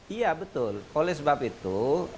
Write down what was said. iya betul oleh sebab itu